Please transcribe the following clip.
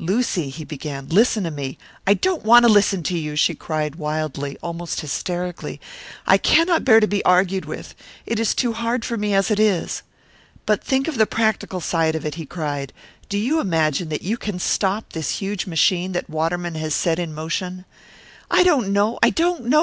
"Lucy," he began, "listen to me " "I don't want to listen to you," she cried wildly almost hysterically. "I cannot bear to be argued with. It is too hard for me as it is!" "But think of the practical side of it!" he cried. "Do you imagine that you can stop this huge machine that Waterman has set in motion?" "I don't know, I don't know!"